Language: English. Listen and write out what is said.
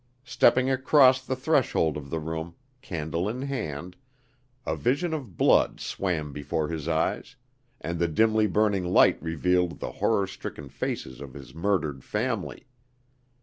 Stepping across the threshold of the room, candle in hand, a vision of blood swam before his eyes, and the dimly burning light revealed the horror stricken faces of his murdered family.